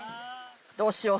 どうしよう。